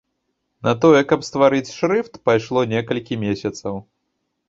На тое, каб стварыць шрыфт, пайшло некалькі месяцаў.